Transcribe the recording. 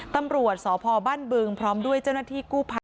ตำรวจสพบ้านบึงพร้อมด้วยเจ้าหน้าที่กู้ภัย